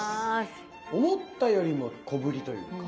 思ったよりも小ぶりというか